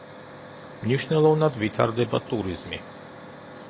მნიშვნელოვნად ვითარდება ტურიზმი.